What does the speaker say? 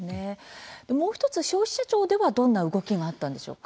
もう１つ消費者庁ではどんな動きがあったんでしょうか。